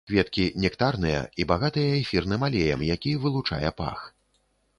Кветкі нектарныя і багатыя эфірным алеем, які вылучае пах.